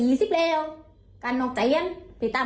คิดมันจะรลิบแล้วเหมือนเทียบครับ